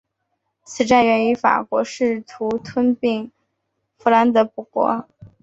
此战源于法国试图吞并弗兰德伯国。